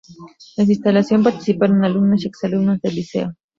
En su instalación participaron alumnos y ex alumnos del liceo.